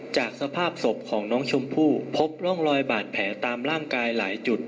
จากสภาพศพของน้องชมพู่พบร่องรอยบาดแผลตามร่างกายหลายจุด